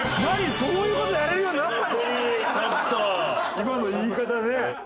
今の言い方ね。